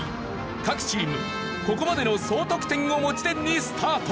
各チームここまでの総得点を持ち点にスタート。